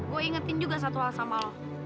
gue ingetin juga satu hal sama lo